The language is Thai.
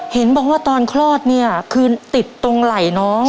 เห็นบอกว่าตอนคลอดเนี่ยคือติดตรงไหล่น้อง